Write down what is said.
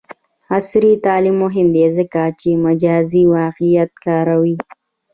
عصري تعلیم مهم دی ځکه چې مجازی واقعیت کاروي.